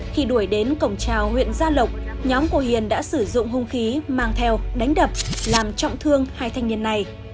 khi đuổi đến cổng trào huyện gia lộc nhóm của hiền đã sử dụng hung khí mang theo đánh đập làm trọng thương hai thanh niên này